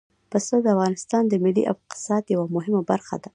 پسه د افغانستان د ملي اقتصاد یوه مهمه برخه ده.